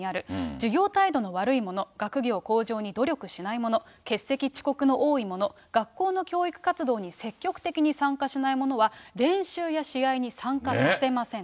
授業態度の悪い者、学業向上に努力しないもの、欠席、遅刻の多い者、学校の教育活動に積極的に参加しない者は、練習や試合に参加させません。